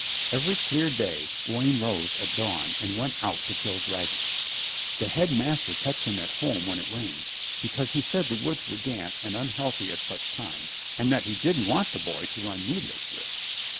Every clear day Gawaine rose at dawn and went out to kill dragons. The Headmaster kept him at home when it rained, because he said the woods were damp and unhealthy at such times and that he didn't want the boy to run needless risks.